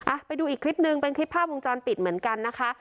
ไปดูอีกคลิปนึงเป็นคลิปภาพวงจรปิดเหมือนกันนะคะ